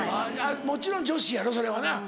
もちろん女子やろそれはな。